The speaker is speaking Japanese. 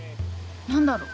何だろう？